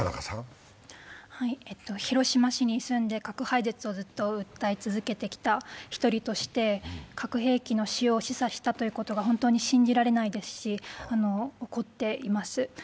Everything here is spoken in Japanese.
広島市に住んで核廃絶をずっと訴え続けてきたうちの１人として核兵器の使用を示唆したということが本当に信じられないですし、怒っています。